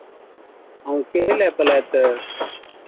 ائُون ڪيهَي هِلَي پلَي تہ،